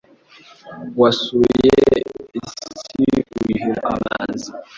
Wasuye isi uyuhira amazi